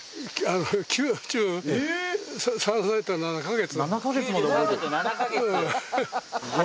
９３歳と７ヵ月？